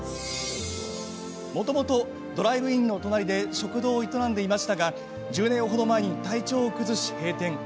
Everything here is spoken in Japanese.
もともとドライブインの隣で食堂を営んでいましたが１０年程前に体調を崩し閉店。